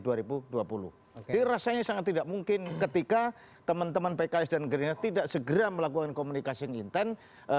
jadi rasanya sangat tidak mungkin ketika teman teman pks dan gri tidak segera melakukan komunikasi yang intent